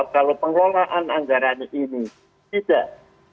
kalau pengelolaan anggaran ini tidak